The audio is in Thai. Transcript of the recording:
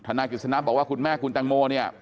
ทนากิจสนำบอกว่าคุณแม่คุณตังโมเนี่ย